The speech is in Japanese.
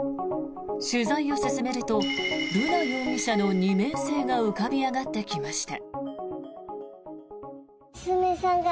取材を進めると瑠奈容疑者の二面性が浮かび上がってきました。